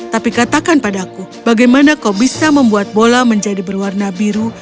tapi katakan padaku bagaimana kau bisa membuat bola menjadi berwarna biru